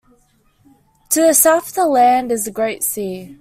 To the south of the land is the Great Sea.